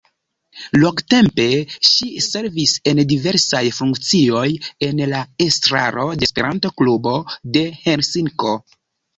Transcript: Longtempe ŝi servis en diversaj funkcioj en la estraro de Esperanto-Klubo de Helsinko.